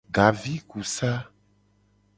Gavikusa.